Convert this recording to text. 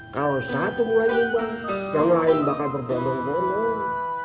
kalo satu mulai nyumbang yang lain bakal berbondong bondong